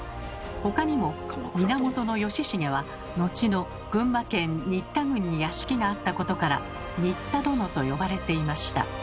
他にも源義重は後の群馬県新田郡に屋敷があったことから「新田殿」と呼ばれていました。